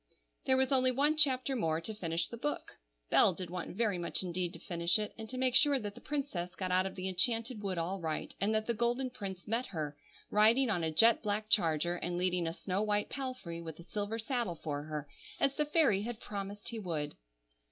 THERE was only one chapter more to finish the book. Bell did want very much indeed to finish it, and to make sure that the princess got out of the enchanted wood all right, and that the golden prince met her, riding on a jet black charger and leading a snow white palfrey with a silver saddle for her, as the fairy had promised he would.